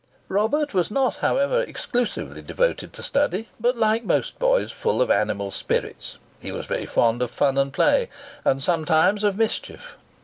Robert was not, however, exclusively devoted to study, but, like most boys full of animal spirits, he was very fond of fun and play, and sometimes of mischief.